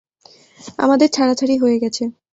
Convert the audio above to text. আমাদের ছাড়াছাড়ি হয়ে গেছে।